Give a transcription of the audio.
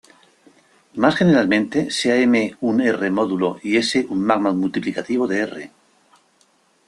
Más generalmente, sea "M" un "R"-módulo y "S" un magma multiplicativo de "R".